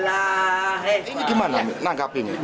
ini gimana menangkap ini